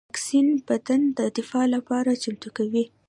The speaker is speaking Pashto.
واکسین بدن د دفاع لپاره چمتو کوي